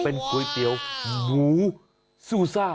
เป็นก๋วยเตี๋ยวหมูซูซ่า